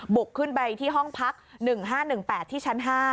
ขึ้นไปที่ห้องพัก๑๕๑๘ที่ชั้น๕